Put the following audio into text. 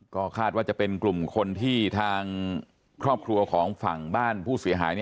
ก็คาดว่าจะเป็นกลุ่มคนที่ทางครอบครัวของฝั่งบ้านผู้เสียหาย